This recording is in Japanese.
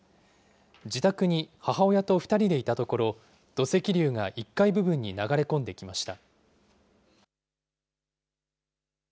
自宅に母親と２人でいたところ、土石流が１階部分に流れ込んできました。